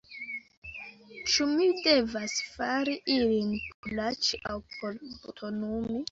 Ĉu mi devas fari ilin por laĉi aŭ por butonumi?